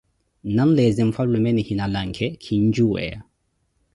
Nanleeze mfwalume nihina lanke, kinjuweya.